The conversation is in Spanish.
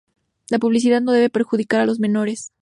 La publicidad no debe perjudicar a los menores.